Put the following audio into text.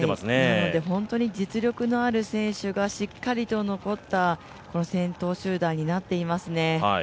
なので本当に実力のある選手がしっかりと残った先頭集団になっていますね。